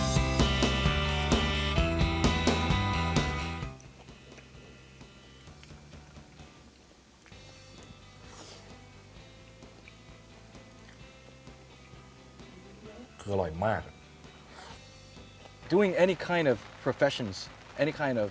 ผมต้องเป็นผู้งาน